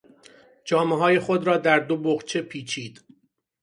جامههای خود را در دو بقچه پیچید.